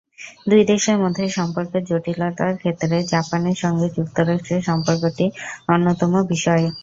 দুই দেশের মধ্যে সম্পর্কের জটিলতার ক্ষেত্রে জাপানের সঙ্গে যুক্তরাষ্ট্রের সম্পর্কটি অন্যতম বিষয়।